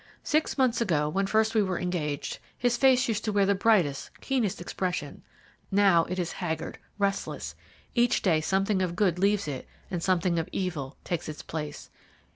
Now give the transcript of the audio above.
Six months ago, when first we were engaged, his face used to wear the brightest, keenest expression; now it is haggard, restless each day something of good leaves it and something of evil takes its place.